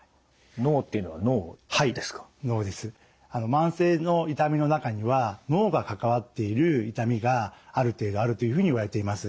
慢性の痛みの中には脳が関わっている痛みがある程度あるというふうにいわれています。